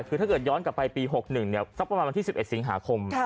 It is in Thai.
คือถ้าเกิดย้อนกลับไปปี๖๑สักประมาณวันที่๑๑สิงหาคม